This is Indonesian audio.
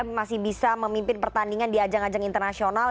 dan masih bisa memimpin pertandingan di ajang ajang internasional